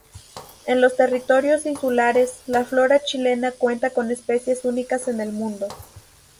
En los territorios insulares, la flora chilena cuenta con especies únicas en el mundo.